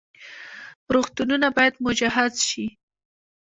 روغتونونه باید مجهز شي